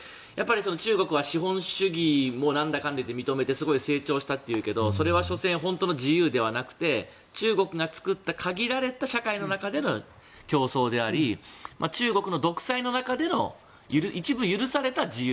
中国は資本主義もなんだかんだ認めてすごい成長したっていうけどそれは所詮本当の自由じゃなくて中国が作った限られた社会の中での競争であり中国の独裁の中での一部許された自由。